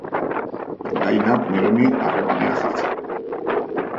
Gai nauk neroni harremanean jartzeko.